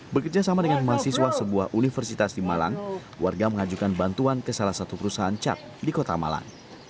bekerja sama dengan mahasiswa sebuah universitas di malang warga mengajukan bantuan ke salah satu perusahaan cat di kota malang